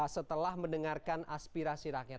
setelah mendengarkan aspirasi rakyat